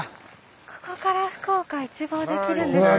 ここから福岡一望できるんですね。